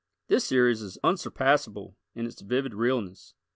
This series is unsurpassable in its vivid realness.